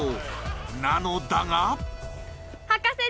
なのだが